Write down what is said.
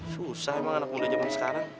susah emang anak muda zaman sekarang